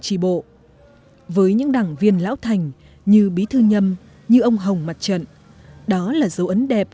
tri bộ với những đảng viên lão thành như bí thư nhâm như ông hồng mặt trận đó là dấu ấn đẹp